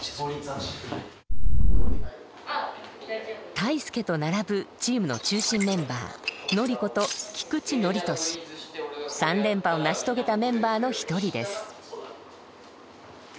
ＴＡＩＳＵＫＥと並ぶチームの中心メンバー３連覇を成し遂げたメンバーの一人です。